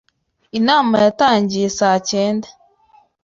Inama yatangiye saa cyenda.